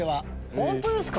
本当ですか？